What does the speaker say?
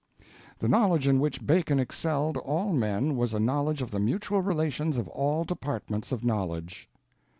The knowledge in which Bacon excelled all men was a knowledge of the mutual relations of all departments of knowledge.